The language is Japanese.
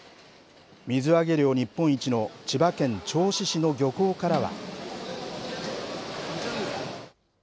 水揚げ量日本一の千葉県銚子市の漁港からは。